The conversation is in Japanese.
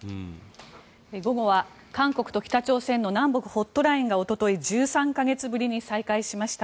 午後は韓国と北朝鮮の南北ホットラインがおととい１３か月ぶりに再開しました。